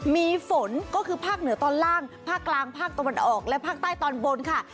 มีฝนก็คือภาคเหนือตอนล่างภาคกลางภาคตะวันออกและภาคใต้ตอนบนค่ะ